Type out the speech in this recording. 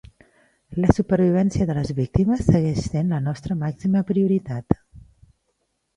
La supervivència de les víctimes segueix sent la nostra màxima prioritat!